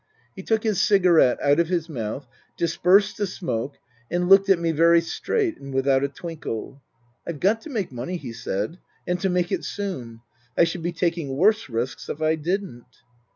He took his cigarette out of his mouth, dispersed the smoke, and looked at me very straight and without a twinkle. " I've got to make money," he said, " and to make it soon. I should be taking worse risks if I didn't."